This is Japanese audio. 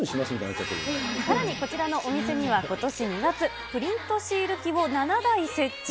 さらにこちらのお店には、ことし２月、プリントシール機を７台設置。